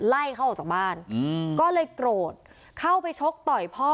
ไล่เขาออกจากบ้านก็เลยโกรธเข้าไปชกต่อยพ่อ